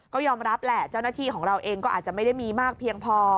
ก็ยอมรับแหละเจ้าหน้าที่ของเราเองก็อาจจะไม่ได้มีมากเพียงพอ